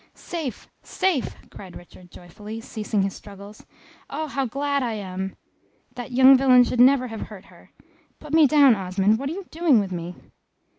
"Safe! safe!" cried Richard, joyfully, ceasing his struggles. "Oh, how glad I am! That young villain should never have hurt her. Put me down, Osmond, what are you doing with me?"